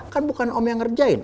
kan bukan om yang ngerjain